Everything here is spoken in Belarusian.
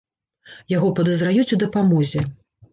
Яго падазраюць у дапамозе.